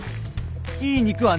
いい肉はね